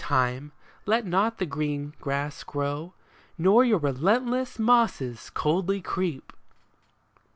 Time, let not the green grass grow, Nor your relentless mosses coldly creep